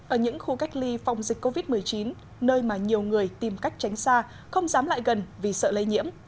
ở những khu cách ly phòng dịch covid một mươi chín nơi mà nhiều người tìm cách tránh xa không dám lại gần vì sợ lây nhiễm